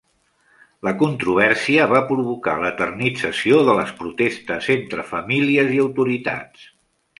La controvèrsia va provocar l'eternització de les protestes entre famílies i autoritats.